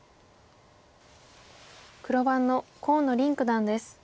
黒番の河野臨九段です。